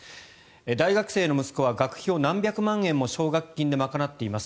大学生の息子は学費を何百万円も奨学金で賄っています。